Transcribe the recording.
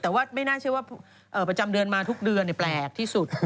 แต่ว่าไม่น่าเชื่อว่าประจำเดือนมาทุกเดือนแปลกที่สุด